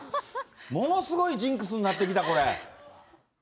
ものすごいジンクスになってきた、これ。